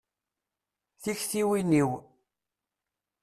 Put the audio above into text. Tiktiwin-iw.